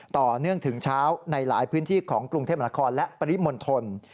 ต่อเนื่องถึงเช้าในหลายพื้นที่ของกรุงเทพมนาคมและปริมณฑล